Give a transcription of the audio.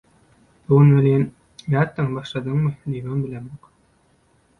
Bu gün welin… “Nätdiň, başladyňmy?” diýibem bilemok.